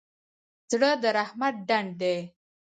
زړه د رحمت ډنډ دی.